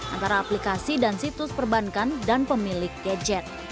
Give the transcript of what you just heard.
antara aplikasi dan situs perbankan dan pemilik gadget